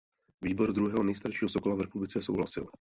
Výbor druhého nejstaršího Sokola v republice souhlasil.